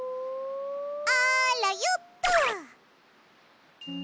あらよっと！